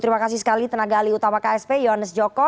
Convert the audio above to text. terima kasih sekali tenaga ahli utama ksp yohanes joko